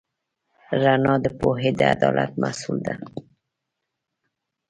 رڼا د پوهې او عدالت محصول ده.